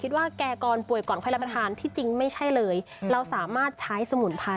อย่างกุ้ยอย่างนี้ค่ะ๑๘ทานได้ไหมคะ